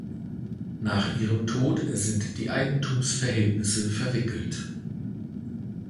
Nach ihrem Tod sind die Eigentumsverhältnisse verwickelt.